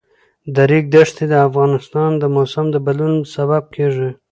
د ریګ دښتې د افغانستان د موسم د بدلون سبب کېږي.